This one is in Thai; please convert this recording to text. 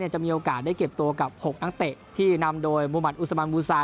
จะมีโอกาสได้เก็บตัวกับ๖นักเตะที่นำโดยมุมัติอุสมันบูซา